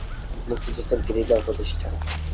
মুক্তিযুদ্ধের গেরিলা উপদেষ্টা।